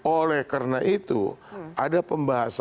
oleh karena itu ada pembahasan